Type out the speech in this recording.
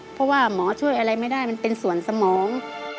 เพราะว่าหมอช่วยอะไรไม่ได้มันเป็นส่วนสมอง